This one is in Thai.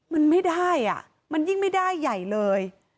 มันไม่ได้อ่ะมันยิ่งไม่ได้ใหญ่เลย